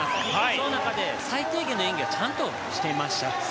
その中で最低限の演技はちゃんとしていました。